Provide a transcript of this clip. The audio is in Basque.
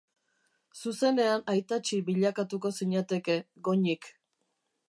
Zuzenean aitatxi bilakatuko zinateke, Goñik.